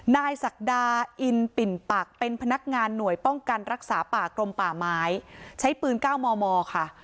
ศักดาอินปิ่นปักเป็นพนักงานหน่วยป้องกันรักษาป่ากรมป่าไม้ใช้ปืน๙มมค่ะ